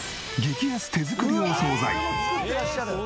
これも作ってらっしゃる？